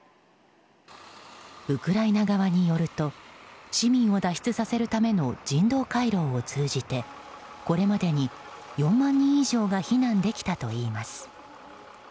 ウクライナ側によると市民を脱出させるための人道回廊を通じてこれまでに、４万人以上が避難できたといいます。